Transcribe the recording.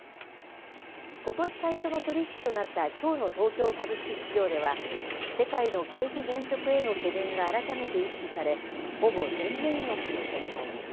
ことし最初の取り引きとなったきょうの東京株式市場では、世界の景気減速への懸念が改めて意識され、ほぼ全面安の展開に。